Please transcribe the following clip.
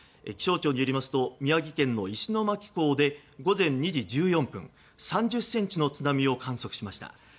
気象庁によりますと宮城県の石巻港で午前２時１４分３０ｃｍの津波を観測しました。